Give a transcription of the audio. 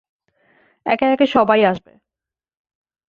একে একে সবাই আসবে।